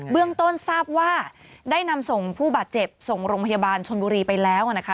เรื่องต้นทราบว่าได้นำส่งผู้บาดเจ็บส่งโรงพยาบาลชนบุรีไปแล้วนะคะ